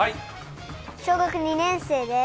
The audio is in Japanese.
小学２年生です。